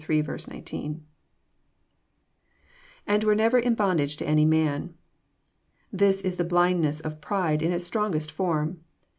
lAnd were never in bondage to any man.] This is the blind ness of pride in its strongest form.